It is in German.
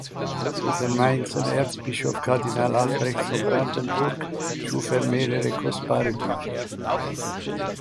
Für den Mainzer Erzbischof Kardinal Albrecht von Brandenburg schuf er mehrere kostbare Bücher.